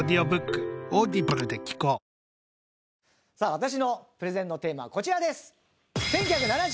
私のプレゼンのテーマはこちらです。